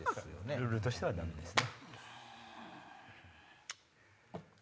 ルールとしてはダメですね。